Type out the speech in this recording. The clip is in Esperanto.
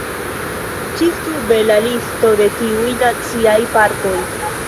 Ĉi sube la listo de tiuj naciaj parkoj.